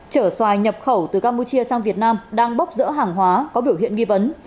chở xoài nhập khẩu từ campuchia sang việt nam đang bóp dỡ hàng hóa có biểu hiện nghi vấn